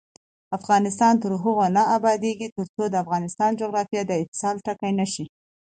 افغانستان تر هغو نه ابادیږي، ترڅو د افغانستان جغرافیه د اتصال ټکی نشي.